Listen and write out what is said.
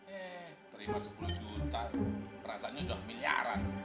eh terima sepuluh juta rasanya udah milyaran